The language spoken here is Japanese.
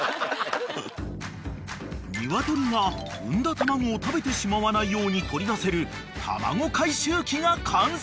［鶏が産んだ卵を食べてしまわないように取り出せる卵回収機が完成］